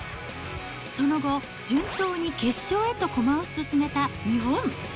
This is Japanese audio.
その後、順当に決勝へと駒を進めた日本。